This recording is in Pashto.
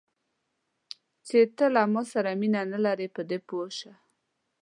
چې ته له ما سره مینه نه لرې، په دې پوه شه.